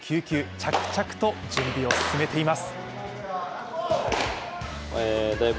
着々と準備を進めています。